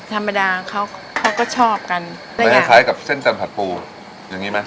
ธรรมดาเขาเขาก็ชอบกันไม่คล้ายคล้ายกับเส้นจันทร์ผัดปูอย่างงี้ไหม